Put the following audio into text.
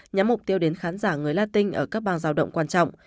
nhắm mục tiêu đến khán giả người latin ở các bang giao động quan trọng